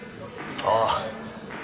ああ。